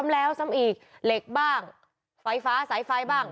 เล็กบ้างไฟฟ้าสายไฟบ้าง